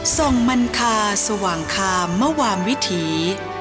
ส่งมันคาสว่างคามมวามวิถี